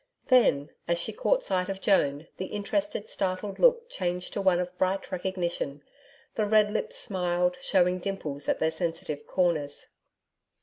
Then, as she caught sight of Joan, the interested, startled look changed to one of bright recognition, the red lips smiled, showing dimples at their sensitive corners.